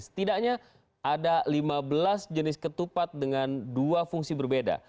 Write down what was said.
setidaknya ada lima belas jenis ketupat dengan dua fungsi berbeda